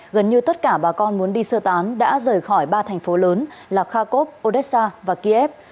gần như tất cả bà con muốn đi sơ tán đã rời khỏi ba thành phố lớn là khakov odessa và kiev